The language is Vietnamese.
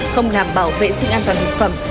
không ngảm bảo vệ sinh an toàn thực phẩm